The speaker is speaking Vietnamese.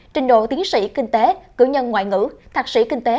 trình độ tiến sĩ kinh tế cử nhân ngoại ngữ thạc sĩ kinh tế